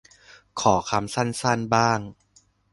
ขอคำสั้นสั้นบ้าง